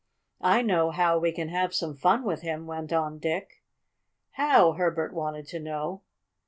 "I know how we can have some fun with him," went on Dick. "How?" Herbert wanted to know.